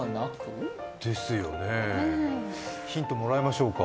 ヒントもらいましょうか。